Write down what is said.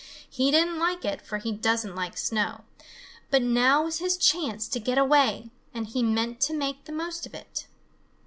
He didn't like it, for he doesn't like snow, but now was his chance to get away, and he meant to make the most of it.